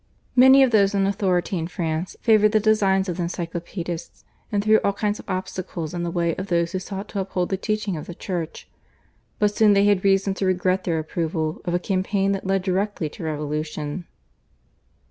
Many of those in authority in France favoured the designs of the Encyclopaedists, and threw all kinds of obstacles in the way of those who sought to uphold the teaching of the Church, but soon they had reason to regret their approval of a campaign that led directly to revolution.